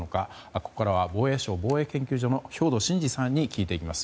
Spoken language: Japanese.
ここからは防衛省防衛研究所の兵頭慎治さんに聞いていきます。